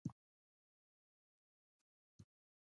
نو په هغه ورځ د راتلونکي جوړولو لپاره وخت نه و